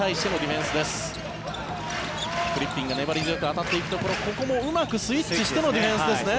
フリッピンが粘り強く当たっていくところここもうまくスイッチしてのディフェンスですね。